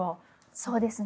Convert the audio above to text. そうですね。